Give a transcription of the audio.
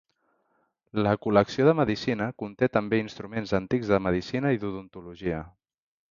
La col·lecció de medicina conté també instruments antics de medicina i d'odontologia.